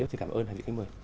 xin cảm ơn hai vị khách mời